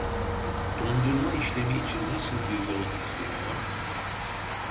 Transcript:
Dondurma işlemi için nasıl bir yol izleniyor?